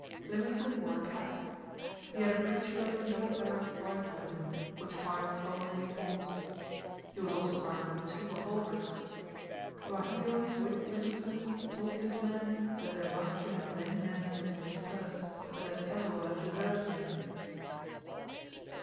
Livingstone wore a cap. He had a breech loading double barreled rifle with him, which fired fulminating balls. He was also armed with two revolvers. The Wahiyow with Livingstone told this man that their master had many men with him at first, but that several had deserted him.